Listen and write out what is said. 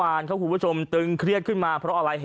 ท่านพรุ่งนี้ไม่แน่ครับ